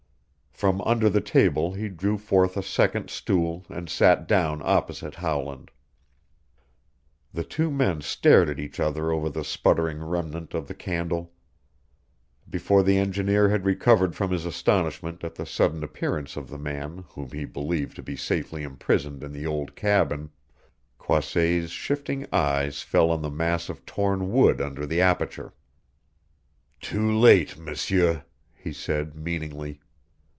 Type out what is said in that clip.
From under the table he drew forth a second stool and sat down opposite Howland. The two men stared at each other over the sputtering remnant of the candle. Before the engineer had recovered from his astonishment at the sudden appearance of the man whom he believed to be safely imprisoned in the old cabin, Croisset's shifting eyes fell on the mass of torn wood under the aperture. "Too late, M'seur," he said meaningly.